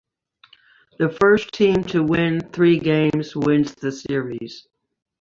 The first team to win three games wins the series.